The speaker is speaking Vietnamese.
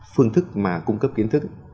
phương thức mà cung cấp kiến thức